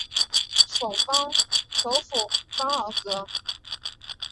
首府邦戈尔。